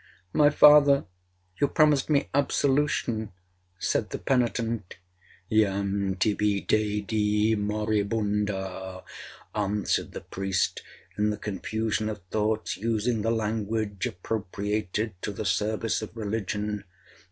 'My father, you promised me absolution,' said the penitent, 'Jam tibi dedi, moribunda,' answered the priest, in the confusion of thoughts using the language appropriated to the service of religion.